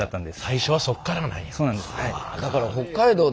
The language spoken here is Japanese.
最初はそっからなんや。